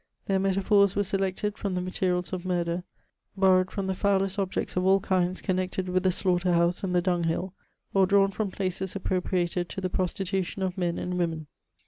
Their metaphors were selected from the matenak of murder, borrowed from the foulest objects of aJl kinds connected with the slaughter house and the dunghill^ or drawn from ^aoea appropriated to the prostitution of men and women.